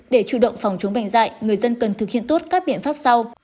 để chủ động phòng chống bệnh dạy người dân cần thực hiện tốt các biện pháp sau